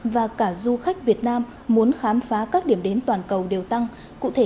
và cả du khách việt nam muốn khám phá các điểm đến toàn cầu đều tăng cụ thể